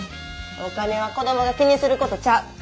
お金は子供が気にすることちゃう。